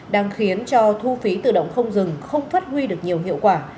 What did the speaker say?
đang khiến cho thu phí tự động không dừng không phát huy được nhiều hiệu quả